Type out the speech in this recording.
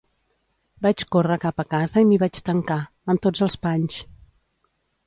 Vaig córrer cap a casa i m'hi vaig tancar, amb tots els panys.